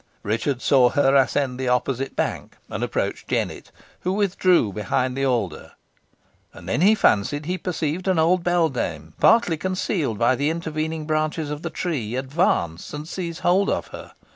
Richard saw her ascend the opposite bank, and approach Jennet, who withdrew behind the alder; and then he fancied he perceived an old beldame, partly concealed by the intervening branches of the tree, advance and seize hold of her.